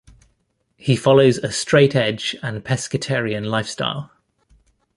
He follows a straight edge and pescetarian lifestyle.